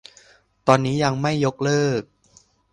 ตอนนี้ยังไม่ยกเลิก